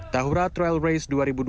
tahura trail race